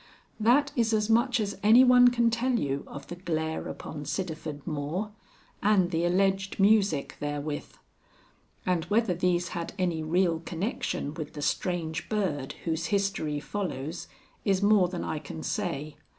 That is as much as anyone can tell you of the glare upon Sidderford Moor and the alleged music therewith. And whether these had any real connexion with the Strange Bird whose history follows, is more than I can say.